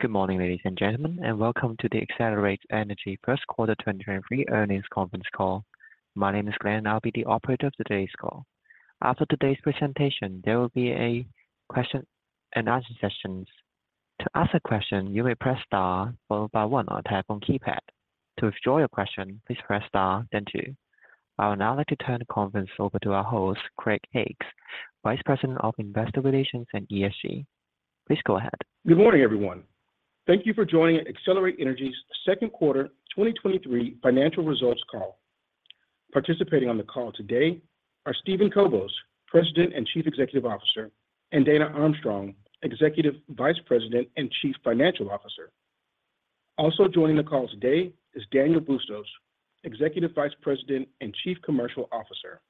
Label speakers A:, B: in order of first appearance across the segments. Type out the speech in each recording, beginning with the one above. A: Good morning, ladies and gentlemen, and welcome to the Excelerate Energy first quarter 2023 earnings conference call. My name is Glenn. I'll be the operator of today's call. After today's presentation, there will be a question and answer sessions. To ask a question, you may press star followed by one on your phone keypad. To withdraw your question, please press star, then two. I would now like to turn the conference over to our host, Craig Hicks, Vice President of Investor Relations and ESG. Please go ahead.
B: Good morning, everyone. Thank you for joining Excelerate Energy's Second Quarter 2023 financial results call. Participating on the call today are Steven Kobos, President and Chief Executive Officer, and Dana Armstrong, Executive Vice President and Chief Financial Officer. Also joining the call today is Daniel Bustos, Executive Vice President and Chief Commercial Officer.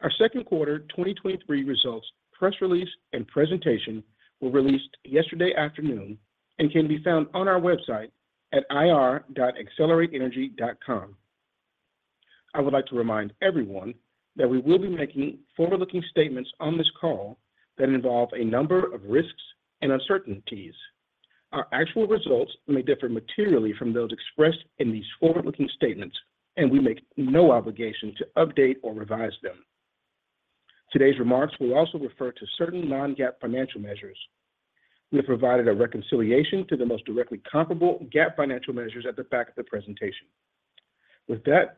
B: Our Second Quarter 2023 results, press release, and presentation were released yesterday afternoon and can be found on our website at ir.excelerateenergy.com. I would like to remind everyone that we will be making forward-looking statements on this call that involve a number of risks and uncertainties. Our actual results may differ materially from those expressed in these forward-looking statements, and we make no obligation to update or revise them. Today's remarks will also refer to certain non-GAAP financial measures. We have provided a reconciliation to the most directly comparable GAAP financial measures at the back of the presentation. With that,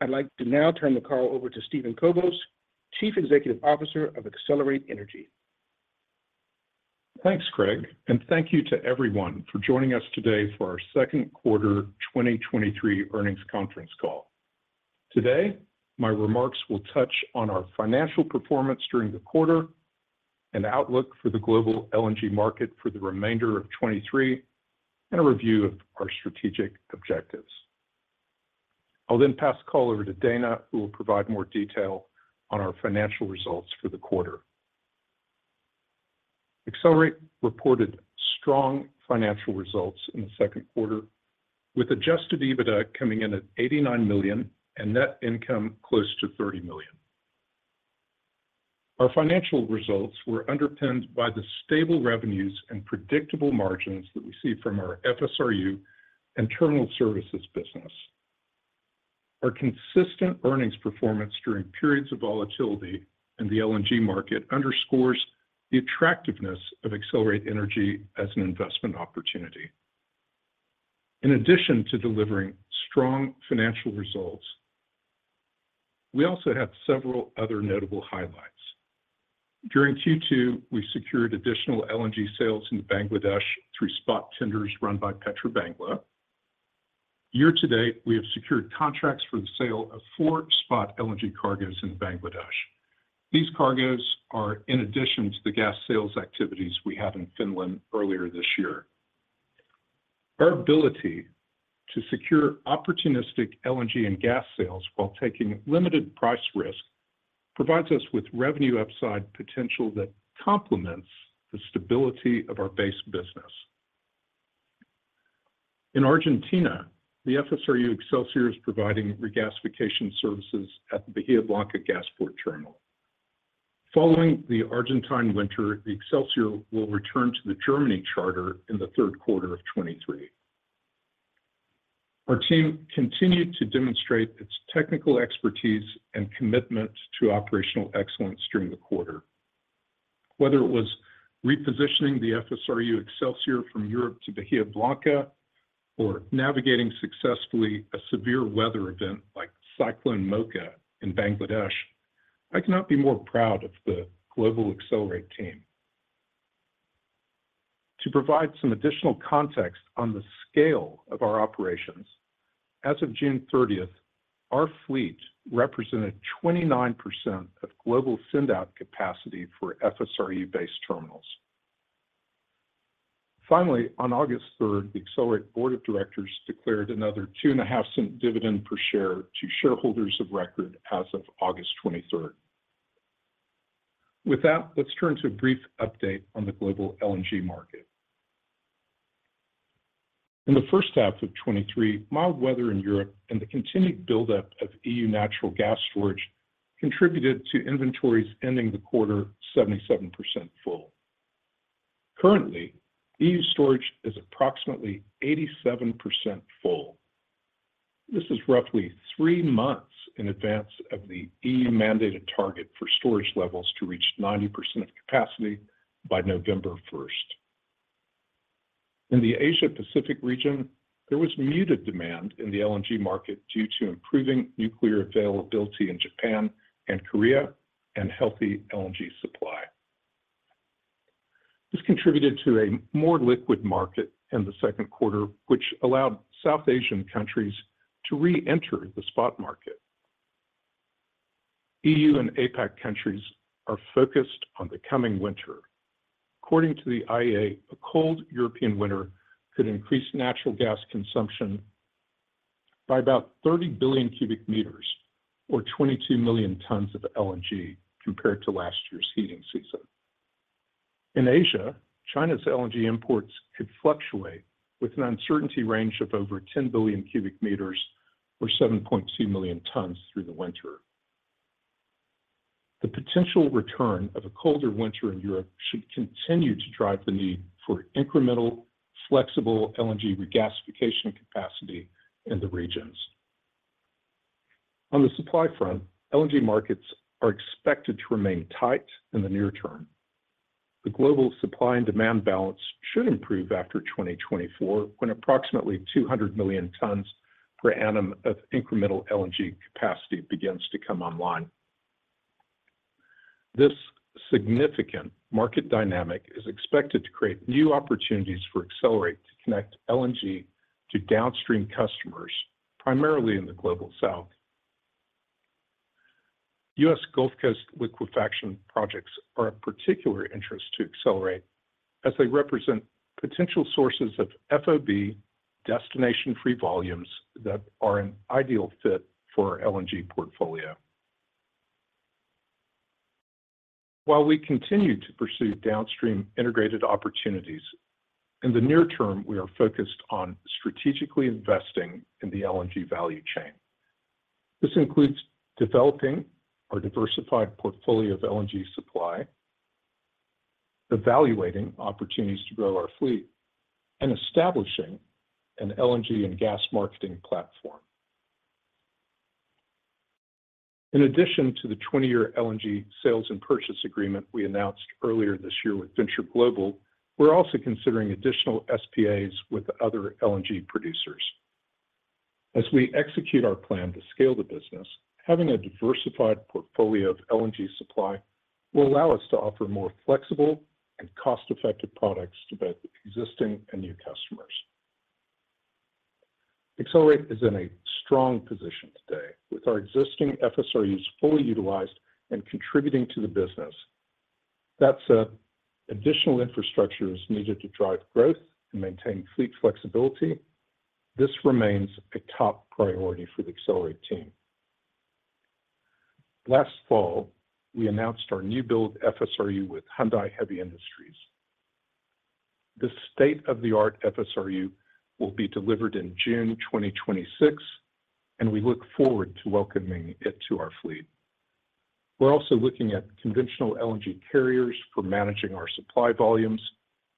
B: I'd like to now turn the call over to Steven Kobos, Chief Executive Officer of Excelerate Energy.
C: Thanks, Craig, and thank you to everyone for joining us today for our Second Quarter 2023 earnings conference call. Today, my remarks will touch on our financial performance during the quarter and outlook for the global LNG market for the remainder of 2023 and a review of our strategic objectives. I'll then pass the call over to Dana, who will provide more detail on our financial results for the quarter. Excelerate reported strong financial results in the Second Quarter, with Adjusted EBITDA coming in at $89 million and Net Income close to $30 million. Our financial results were underpinned by the stable revenues and predictable margins that we see from our FSRU and terminal services business. Our consistent earnings performance during periods of volatility in the LNG market underscores the attractiveness of Excelerate Energy as an investment opportunity. In addition to delivering strong financial results, we also have several other notable highlights. During Q2, we secured additional LNG sales in Bangladesh through spot tenders run by Petrobangla. Year to date, we have secured contracts for the sale of four spot LNG cargos in Bangladesh. These cargos are in addition to the gas sales activities we had in Finland earlier this year. Our ability to secure opportunistic LNG and gas sales while taking limited price risk provides us with revenue upside potential that complements the stability of our base business. In Argentina, the FSRU Excelsior is providing regasification services at the Bahía Blanca Gas Port Terminal. Following the Argentine winter, the Excelsior will return to the Germany charter in the third quarter of 2023. Our team continued to demonstrate its technical expertise and commitment to operational excellence during the quarter. Whether it was repositioning the FSRU Excelsior from Europe to Bahía Blanca or navigating successfully a severe weather event like Cyclone Mocha in Bangladesh, I cannot be more proud of the global Excelerate team. To provide some additional context on the scale of our operations, as of June thirtieth, our fleet represented 29% of global send-out capacity for FSRU-based terminals. On August third, the Excelerate Board of Directors declared another $0.025 dividend per share to shareholders of record as of August twenty-third. With that, let's turn to a brief update on the global LNG market. In the first half of 2023, mild weather in Europe and the continued buildup of EU natural gas storage contributed to inventories ending the quarter 77% full. Currently, EU storage is approximately 87% full. This is roughly 3 months in advance of the EU-mandated target for storage levels to reach 90% of capacity by November 1st. In the Asia-Pacific region, there was muted demand in the LNG market due to improving nuclear availability in Japan and Korea and healthy LNG supply. This contributed to a more liquid market in the second quarter, which allowed South Asian countries to reenter the spot market. EU and APAC countries are focused on the coming winter. According to the IEA, a cold European winter could increase natural gas consumption by about 30 billion cubic meters or 22 million tons of LNG compared to last year's heating season. In Asia, China's LNG imports could fluctuate with an uncertainty range of over 10 billion cubic meters or 7.2 million tons through the winter. The potential return of a colder winter in Europe should continue to drive the need for incremental, flexible LNG regasification capacity in the regions. On the supply front, LNG markets are expected to remain tight in the near term. The global supply and demand balance should improve after 2024, when approximately 200 million tons per annum of incremental LNG capacity begins to come online. This significant market dynamic is expected to create new opportunities for Excelerate to connect LNG to downstream customers, primarily in the Global South. US Gulf Coast liquefaction projects are of particular interest to Excelerate, as they represent potential sources of FOB destination-free volumes that are an ideal fit for our LNG portfolio. While we continue to pursue downstream integrated opportunities, in the near term, we are focused on strategically investing in the LNG value chain. This includes developing our diversified portfolio of LNG supply, evaluating opportunities to grow our fleet, and establishing an LNG and gas marketing platform. In addition to the 20-year LNG sales and purchase agreement we announced earlier this year with Venture Global, we're also considering additional SPAs with other LNG producers. As we execute our plan to scale the business, having a diversified portfolio of LNG supply will allow us to offer more flexible and cost-effective products to both existing and new customers. Excelerate is in a strong position today with our existing FSRUs fully utilized and contributing to the business. That said, additional infrastructure is needed to drive growth and maintain fleet flexibility. This remains a top priority for the Excelerate team. Last fall, we announced our new build FSRU with Hyundai Heavy Industries. This state-of-the-art FSRU will be delivered in June 2026, and we look forward to welcoming it to our fleet. We're also looking at conventional LNG carriers for managing our supply volumes,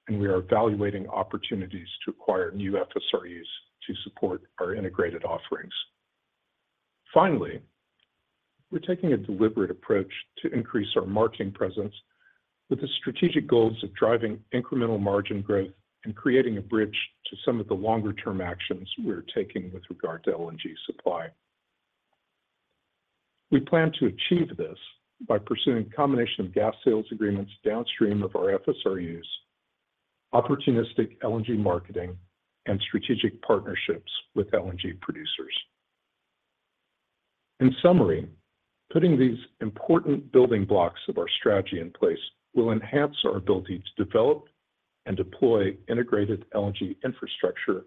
C: and we are evaluating opportunities to acquire new FSRUs to support our integrated offerings. Finally, we're taking a deliberate approach to increase our marketing presence with the strategic goals of driving incremental margin growth and creating a bridge to some of the longer-term actions we're taking with regard to LNG supply. We plan to achieve this by pursuing a combination of gas sales agreements downstream of our FSRUs, opportunistic LNG marketing, and strategic partnerships with LNG producers. In summary, putting these important building blocks of our strategy in place will enhance our ability to develop and deploy integrated LNG infrastructure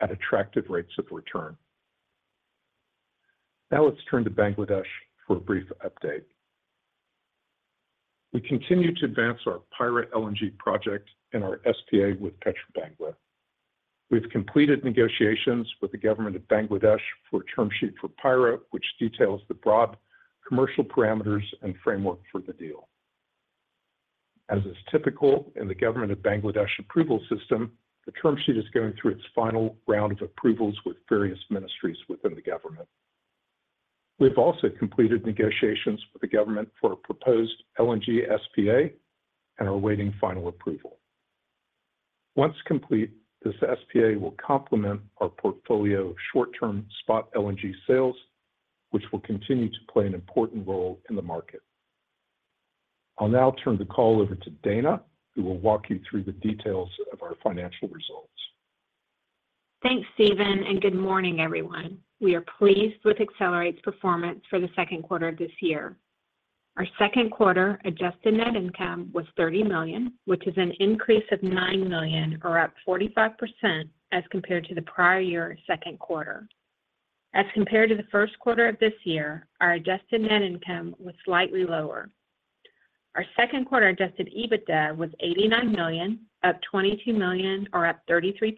C: at attractive rates of return. Now let's turn to Bangladesh for a brief update. We continue to advance our Payra LNG project and our SPA with Petrobangla. We've completed negotiations with the government of Bangladesh for a term sheet for Payra, which details the broad commercial parameters and framework for the deal. As is typical in the government of Bangladesh approval system, the term sheet is going through its final round of approvals with various ministries within the government. We've also completed negotiations with the government for a proposed LNG SPA and are awaiting final approval. Once complete, this SPA will complement our portfolio of short-term spot LNG sales, which will continue to play an important role in the market. I'll now turn the call over to Dana, who will walk you through the details of our financial results.
D: Thanks, Steven, and good morning, everyone. We are pleased with Excelerate's performance for the second quarter of this year. Our second quarter Adjusted Net Income was $30 million, which is an increase of $9 million, or up 45% as compared to the prior year second quarter. As compared to the first quarter of this year, our Adjusted Net Income was slightly lower. Our second quarter Adjusted EBITDA was $89 million, up $22 million, or up 33%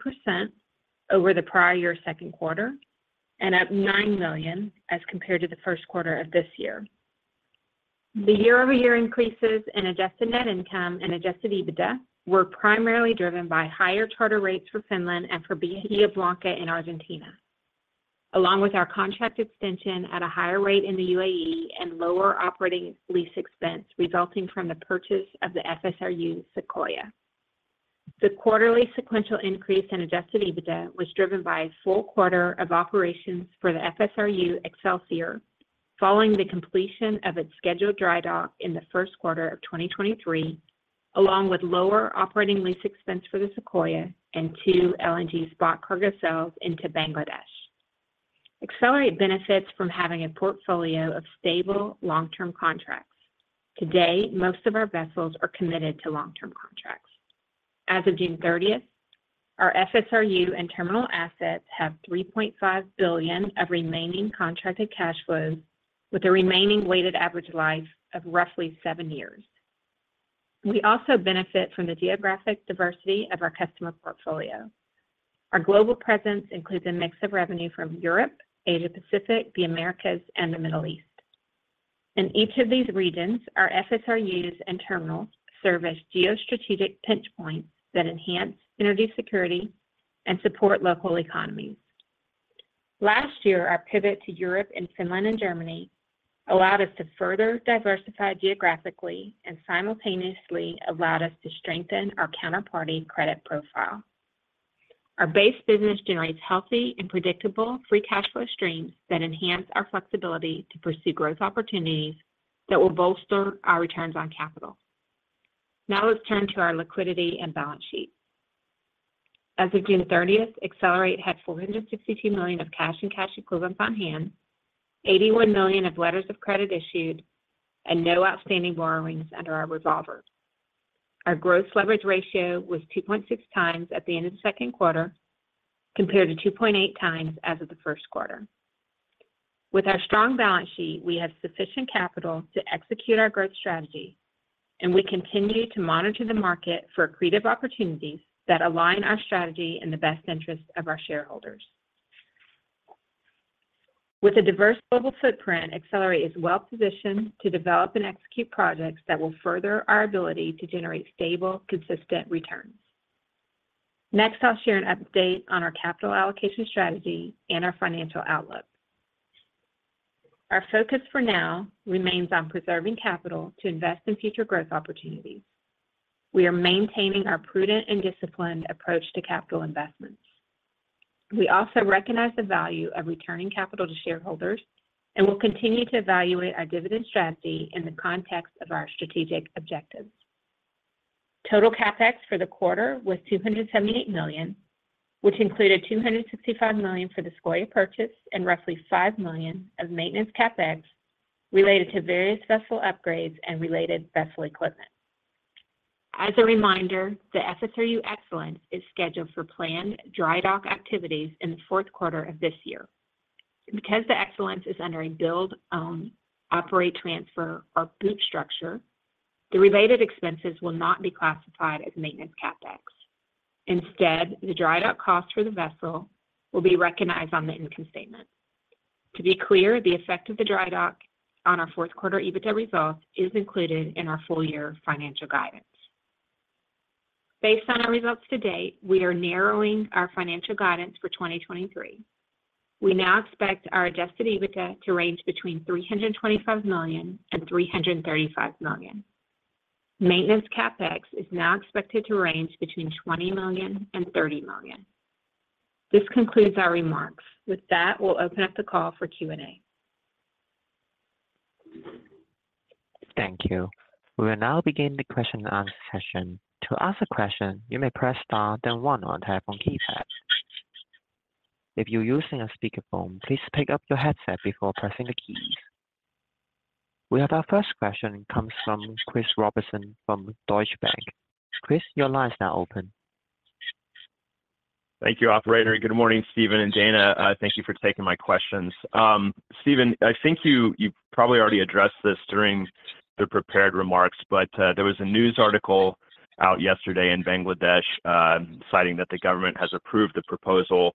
D: over the prior year second quarter, and up $9 million as compared to the first quarter of this year. The year-over-year increases in Adjusted Net Income and Adjusted EBITDA were primarily driven by higher charter rates for Finland and for Bahía Blanca in Argentina, along with our contract extension at a higher rate in the UAE and lower operating lease expense, resulting from the purchase of the FSRU Sequoia. The quarterly sequential increase in adjusted EBITDA was driven by a full quarter of operations for the FSRU Excelsior, following the completion of its scheduled dry dock in the first quarter of 2023, along with lower operating lease expense for the Sequoia and 2 LNG spot cargo sales into Bangladesh. Excelerate benefits from having a portfolio of stable long-term contracts. Today, most of our vessels are committed to long-term contracts. As of June 30th, our FSRU and terminal assets have $3.5 billion of remaining contracted cash flows, with a remaining weighted average life of roughly 7 years. We also benefit from the geographic diversity of our customer portfolio. Our global presence includes a mix of revenue from Europe, Asia Pacific, the Americas, and the Middle East. In each of these regions, our FSRUs and terminals serve as geostrategic pinch points that enhance energy security and support local economies. Last year, our pivot to Europe and Finland and Germany allowed us to further diversify geographically and simultaneously allowed us to strengthen our counterparty credit profile. Our base business generates healthy and predictable free cash flow streams that enhance our flexibility to pursue growth opportunities that will bolster our returns on capital. Now, let's turn to our liquidity and balance sheet. As of June 30th, Excelerate Energy had $462 million of cash and cash equivalents on hand, $81 million of letters of credit issued, and no outstanding borrowings under our revolver. Our gross leverage ratio was 2.6x at the end of the Second Quarter, compared to 2.8x as of the first quarter. With our strong balance sheet, we have sufficient capital to execute our growth strategy, and we continue to monitor the market for accretive opportunities that align our strategy in the best interest of our shareholders. With a diverse global footprint, Excelerate is well positioned to develop and execute projects that will further our ability to generate stable, consistent returns. Next, I'll share an update on our capital allocation strategy and our financial outlook. Our focus for now remains on preserving capital to invest in future growth opportunities. We are maintaining our prudent and disciplined approach to capital investments. We also recognize the value of returning capital to shareholders and will continue to evaluate our dividend strategy in the context of our strategic objectives. Total CapEx for the quarter was $278 million, which included $265 million for the Sequoia purchase and roughly $5 million of maintenance CapEx related to various vessel upgrades and related vessel equipment. As a reminder, the FSRU Excellence is scheduled for planned dry dock activities in the fourth quarter of this year. Because the Excellence is under a build, own, operate, transfer, or BOOT structure, the related expenses will not be classified as maintenance CapEx. Instead, the dry dock cost for the vessel will be recognized on the income statement. To be clear, the effect of the dry dock on our fourth quarter EBITDA result is included in our full-year financial guidance. Based on our results to date, we are narrowing our financial guidance for 2023. We now expect our Adjusted EBITDA to range between $325 million and $335 million. Maintenance CapEx is now expected to range between $20 million and $30 million. This concludes our remarks. With that, we'll open up the call for Q&A.
A: Thank you. We will now begin the question and answer session. To ask a question, you may press star then one on your telephone keypad. If you're using a speakerphone, please pick up your headset before pressing the keys. We have our first question coming from Christopher Robertson from Deutsche Bank. Chris, your line is now open.
E: Thank you, operator. Good morning, Steven and Dana. Thank you for taking my questions. Steven, I think you, you probably already addressed this during the prepared remarks, but there was a news article out yesterday in Bangladesh citing that the government has approved a proposal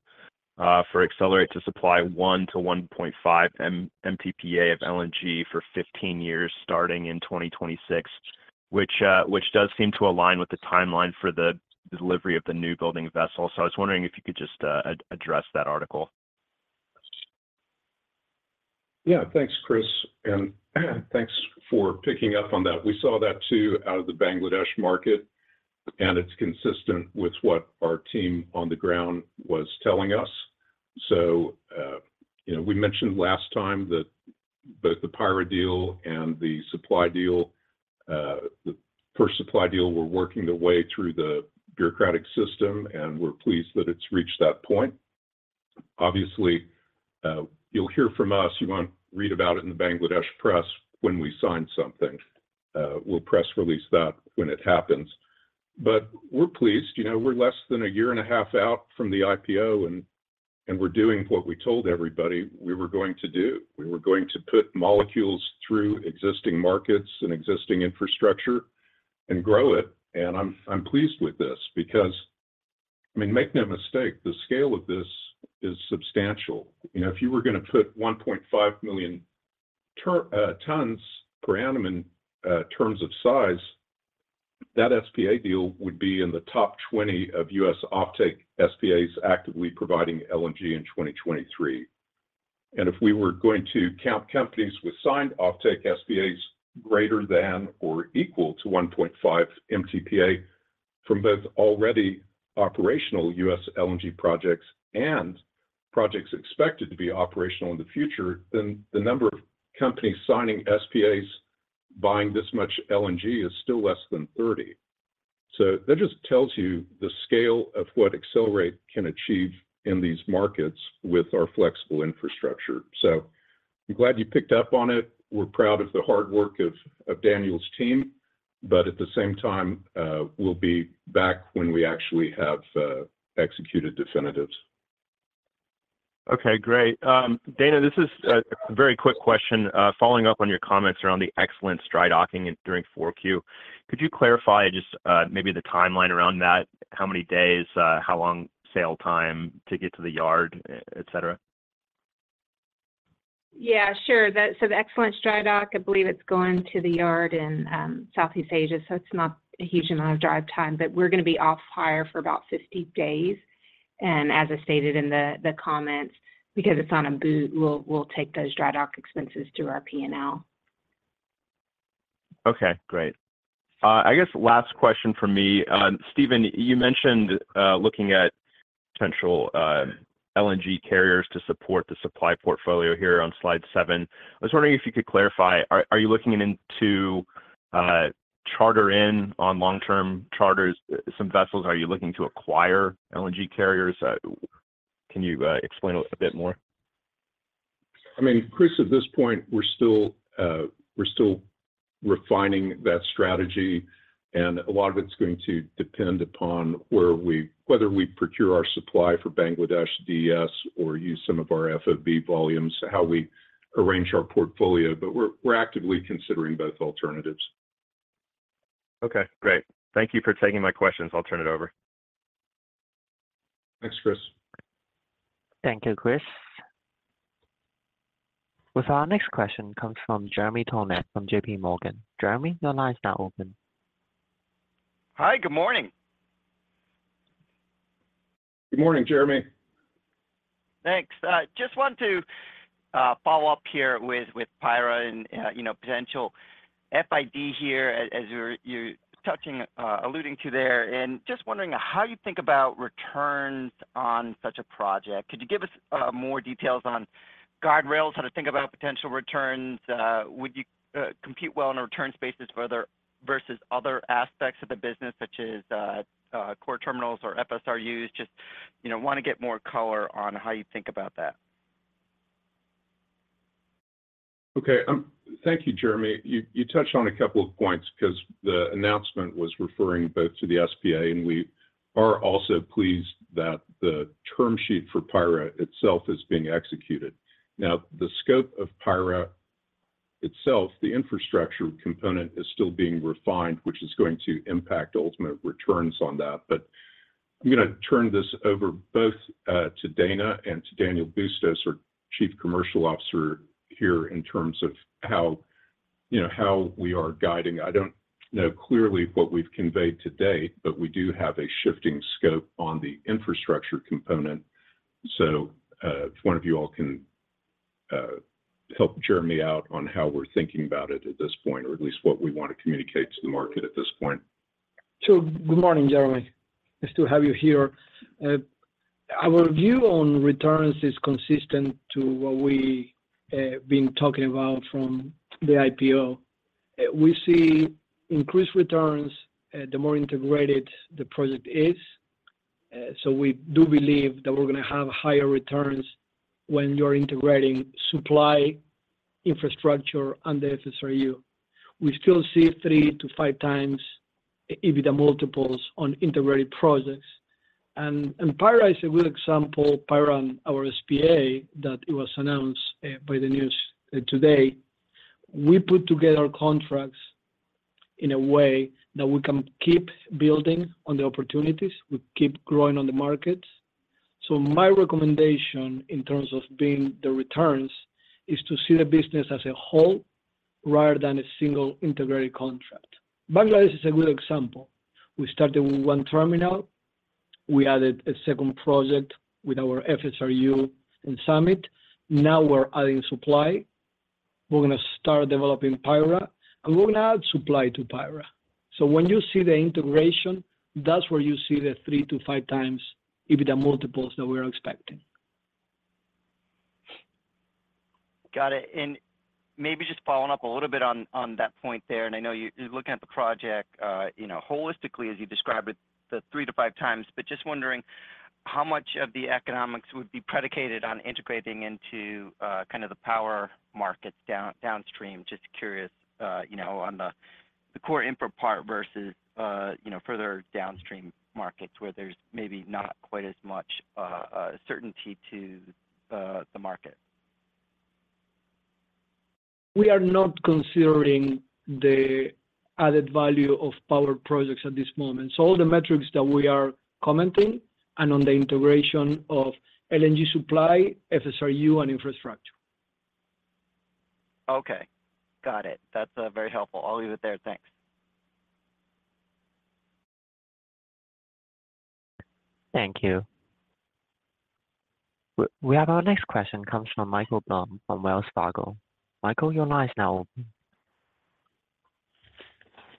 E: for Excelerate to supply 1 to 1.5 MTPA of LNG for 15 years, starting in 2026, which does seem to align with the timeline for the delivery of the new building vessel. I was wondering if you could just address that article.
C: Yeah. Thanks, Chris, and thanks for picking up on that. We saw that, too, out of the Bangladesh market, and it's consistent with what our team on the ground was telling us. You know, we mentioned last time that both the Payra deal and the supply deal, the first supply deal, were working their way through the bureaucratic system, and we're pleased that it's reached that point. Obviously, you'll hear from us. You won't read about it in the Bangladesh press when we sign something. We'll press release that when it happens. We're pleased. You know, we're less than 1.5 years out from the IPO, and, and we're doing what we told everybody we were going to do. We were going to put molecules through existing markets and existing infrastructure and grow it. I'm, I'm pleased with this because, I mean, make no mistake, the scale of this is substantial. You know, if you were gonna put 1.5 million tons per annum in terms of size, that SPA deal would be in the top 20 of US offtake SPAs actively providing LNG in 2023. If we were going to count companies with signed offtake SPAs greater than or equal to 1.5 MTPA from both already operational US LNG projects and projects expected to be operational in the future, the number of companies signing SPAs buying this much LNG is still less than 30. That just tells you the scale of what Excelerate can achieve in these markets with our flexible infrastructure. I'm glad you picked up on it. We're proud of the hard work of Daniel's team, but at the same time, we'll be back when we actually have executed definitives.
E: Okay, great. Dana, this is a very quick question, following up on your comments around the Excellence dry docking and during 4Q. Could you clarify just maybe the timeline around that? How many days, how long sail time to get to the yard, et cetera?
F: Yeah, sure. The Excellence dry dock, I believe it's going to the yard in Southeast Asia, it's not a huge amount of drive time. We're gonna be off hire for about 50 days, as I stated in the comments, because it's on a BOOT, we'll take those dry dock expenses to our P&L.
E: Okay, great. I guess last question from me. Steven, you mentioned looking at potential LNG carriers to support the supply portfolio here on slide 7. I was wondering if you could clarify, are you looking into charter in on long-term charters, some vessels? Are you looking to acquire LNG carriers? Can you explain a bit more?
C: I mean, Chris, at this point, we're still, we're still refining that strategy, and a lot of it's going to depend upon whether we procure our supply for Bangladesh DS or use some of our FOB volumes, how we arrange our portfolio. We're, we're actively considering both alternatives.
E: Okay, great. Thank you for taking my questions. I'll turn it over.
C: Thanks, Chris.
A: Thank you, Chris. Our next question comes from Jeremy Tonet from J.P. Morgan. Jeremy, your line is now open.
G: Hi, good morning.
C: Good morning, Jeremy.
G: Thanks. I just want to follow up here with, with Payra and, you know, potential FID here, as you're touching, alluding to there. Just wondering, how you think about returns on such a project? Could you give us more details on guardrails, how to think about potential returns? Would you compete well in a return spaces further versus other aspects of the business, such as core terminals or FSRUs? Just, you know, wanna get more color on how you think about that.
C: Thank you, Jeremy. You will touched on a couple of points because the announcement was referring both to the SPA. We are also pleased that the term sheet for Payra itself is being executed. The scope of Payra itself, the infrastructure component is still being refined, which is going to impact ultimate returns on that. I'm gonna turn this over both to Dana and to Daniel Bustos, our Chief Commercial Officer here, in terms of how, you know, how we are guiding. I don't know clearly what we've conveyed to date, but we do have a shifting scope on the infrastructure component. If one of you all can help Jeremy out on how we're thinking about it at this point, or at least what we want to communicate to the market at this point.
H: Good morning, Jeremy. Nice to have you here. Our view on returns is consistent to what we been talking about from the IPO. We see increased returns, the more integrated the project is. We do believe that we're gonna have higher returns when you're integrating supply, infrastructure and the FSRU. We still see 3-5 times EBITDA multiples on integrated projects. Payra is a good example. Payra, our SPA, that it was announced by the news today. We put together contracts in a way that we can keep building on the opportunities, we keep growing on the markets. My recommendation in terms of being the returns is to see the business as a whole rather than a single integrated contract. Bangladesh is a good example. We started with 1 terminal. We added a second project with our FSRU in Summit. Now we're adding supply. We're gonna start developing Payra, and we're gonna add supply to Payra. When you see the integration, that's where you see the 3-5 times EBITDA multiples that we're expecting.
G: Got it. Maybe just following up a little bit on, on that point there, and I know you're looking at the project, you know, holistically as you described it, the three to five times. Just wondering, how much of the economics would be predicated on integrating into, kind of the power markets downstream? Just curious, you know, on the, the core input part versus, you know, further downstream markets where there's maybe not quite as much certainty to the market.
H: We are not considering the added value of power projects at this moment. All the metrics that we are commenting and on the integration of LNG supply, FSRU and infrastructure.
G: Okay. Got it. That's very helpful. I'll leave it there. Thanks.
A: Thank you. We have our next question comes from Michael Blum from Wells Fargo. Michael, your line is now open.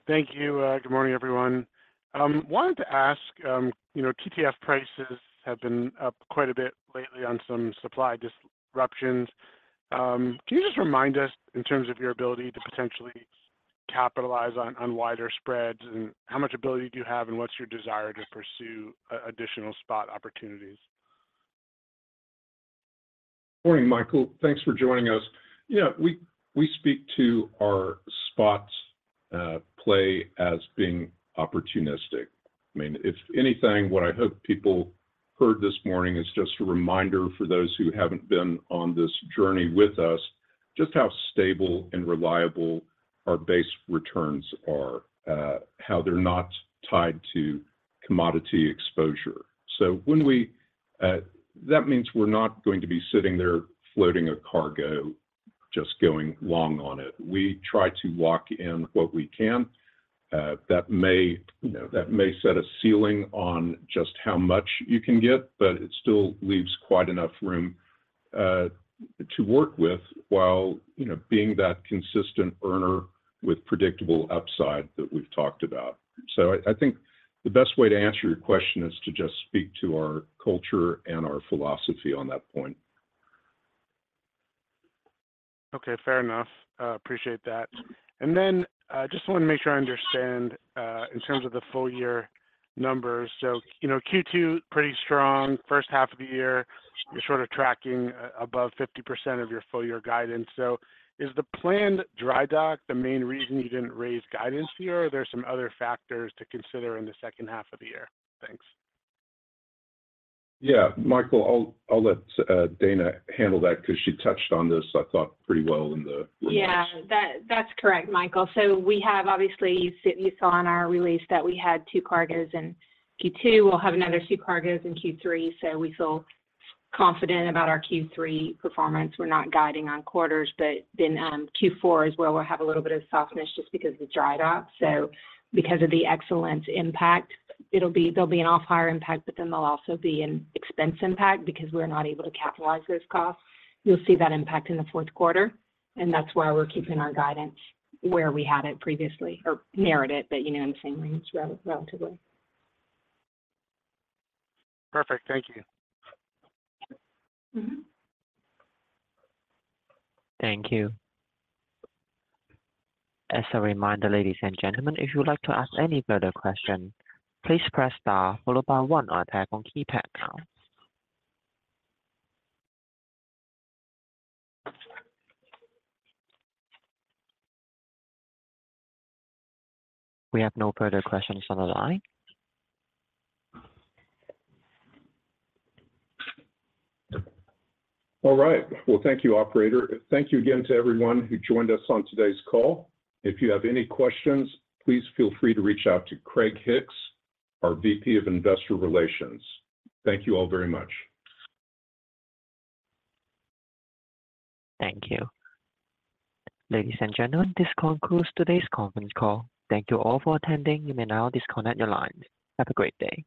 F: Thank you. Good morning, everyone. Wanted to ask, you know, TTF prices have been up quite a bit lately on some supply disruptions. Can you just remind us in terms of your ability to potentially capitalize on, on wider spreads, and how much ability do you have, and what's your desire to pursue additional spot opportunities?
C: Morning, Michael. Thanks for joining us. Yeah, we, we speak to our play as being opportunistic. I mean, if anything, what I hope people heard this morning is just a reminder for those who haven't been on this journey with us, just how stable and reliable our base returns are, how they're not tied to commodity exposure. That means we're not going to be sitting there floating a cargo, just going long on it. We try to lock in what we can, that may, you know, that may set a ceiling on just how much you can get, but it still leaves quite enough room to work with, while, you know, being that consistent earner with predictable upside that we've talked about. I, I think the best way to answer your question is to just speak to our culture and our philosophy on that point.
F: Okay, fair enough. Appreciate that. Then, I just want to make sure I understand in terms of the full year numbers. You know, Q2, pretty strong. First half of the year, you're sort of tracking above 50% of your full year guidance. Is the planned dry dock the main reason you didn't raise guidance here, or are there some other factors to consider in the second half of the year? Thanks.
C: Yeah, Michael, I'll, I'll let Dana handle that because she touched on this, I thought, pretty well in the.
D: Yeah, that, that's correct, Michael. We have obviously, you saw in our release that we had 2 cargoes in Q2. We'll have another 2 cargoes in Q3, so we feel confident about our Q3 performance. We're not guiding on quarters, but then Q4 as well will have a little bit of softness just because of the dry dock. Because of the Excellence impact, there'll be an off-hire impact, but then there'll also be an expense impact because we're not able to capitalize those costs. You'll see that impact in the fourth quarter, and that's why we're keeping our guidance where we had it previously or narrowed it, but, you know, in the same range relatively.
F: Perfect. Thank you.
D: Mm-hmm.
A: Thank you. As a reminder, ladies and gentlemen, if you would like to ask any further question, please press star followed by 1 or tap on keypad. We have no further questions on the line.
C: All right. Well, thank you, operator. Thank you again to everyone who joined us on today's call. If you have any questions, please feel free to reach out to Craig Hicks, our VP of Investor Relations. Thank you all very much.
A: Thank you. Ladies and gentlemen, this concludes today's conference call. Thank you all for attending. You may now disconnect your lines. Have a great day.